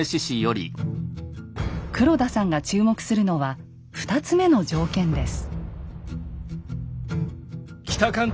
黒田さんが注目するのは２つ目の条件です。